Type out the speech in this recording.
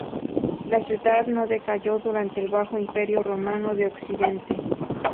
La ciudad no decayó durante el Bajo Imperio romano de Occidente.